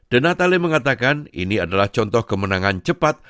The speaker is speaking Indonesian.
denatale mengatakan ini adalah contoh kemenangan cepat